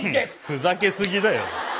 ふざけすぎだよ。